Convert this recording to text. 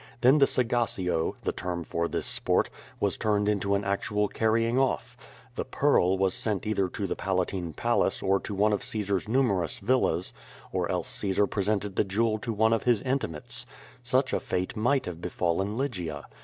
Then the sagacio (the term for this sport) was turned into an actual carrying off. The pearr' was sent either to the Palatine Palace or to one of Caesar's numerous villas, or else (^aesar presented the jewel to one of his intimates. Such a fate might have befallen Lygia.